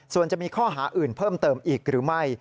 ส่วนจะมีข้อหาอื่นเพิ่มเติมอีกหรือไม่